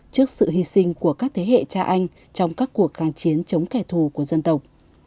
trước sự hy sinh của các thế hệ cha anh trong các cuộc kháng chiến chống kẻ thù của dân tộc